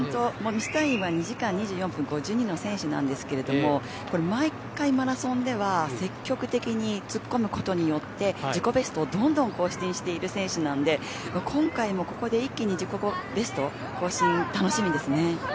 ベストタイムは２時間２４分５２の選手なんですけど毎回、マラソンでは積極的に突っ込むことによって自己ベストをどんどん更新している選手なんで今回もここで一気に自己ベスト更新楽しみですね。